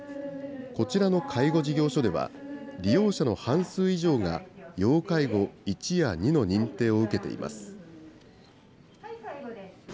こちらの介護事業所では、利用者の半数以上が要介護１や２の認定を受けています。